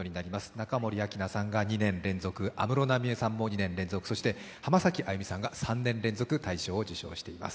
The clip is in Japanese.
中森明菜さんが２年連続、安室奈美恵さんも２年連続、そして浜崎あゆみさんが３年連続、大賞を受賞しています。